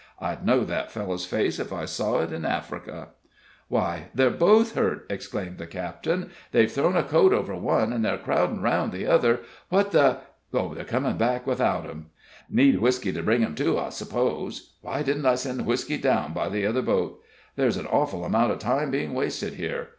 I'd know that fellow's face if I saw it in Africa." "Why, they're both hurt!" exclaimed the captain. "They've thrown a coat over one, and they're crowdin' around the other. What the They're comin' back without 'em need whisky to bring 'em to, I suppose. Why didn't I send whisky down by the other boat? There's an awful amount of time being wasted here.